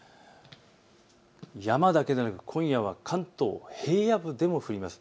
山だけでなく今夜は関東、平野部でも降ります。